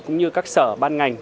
cũng như các sở ban ngành